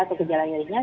atau gejala yang ringan